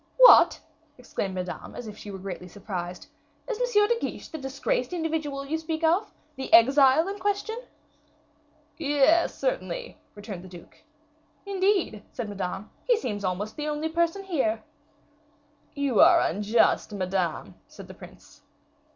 "What!" exclaimed Madame, as if she were greatly surprised, "is M. de Guiche the disgraced individual you speak of, the exile in question?" "Yes, certainly," returned the duke. "Indeed," said Madame, "he seems almost the only person here!" "You are unjust, Madame," said the prince.